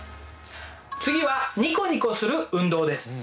次はニコニコする運動です。